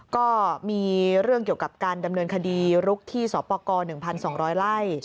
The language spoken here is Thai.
ก็มีเรื่องเกี่ยวกับการดำเนินคดีลุกที่สปกร๑๒๐๐ไร่